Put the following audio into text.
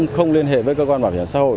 không liên hệ với cơ quan bảo hiểm xã hội